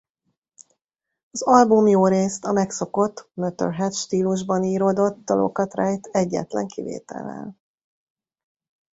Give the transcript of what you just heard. Az album jórészt a megszokott Motörhead-stílusban íródott dalokat rejt egyetlen kivétellel.